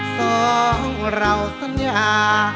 สองเราสัญญา